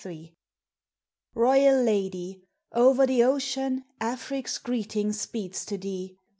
Royal Lady! O'er the ocean Afric's greeting speeds to thee!